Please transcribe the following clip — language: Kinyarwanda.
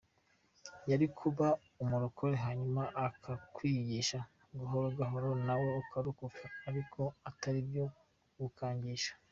Yari kuba umurokore hanyuma akakwigisha gahoro gahoro nawe ukarokoka ariko ataribyo kugukangisha.